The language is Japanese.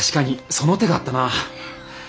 その手があったな！